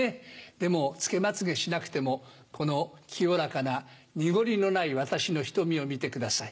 でもつけまつげしなくてもこの清らかな濁りのない私の瞳を見てください。